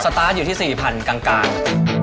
ตาร์ทอยู่ที่๔๐๐๐กลาง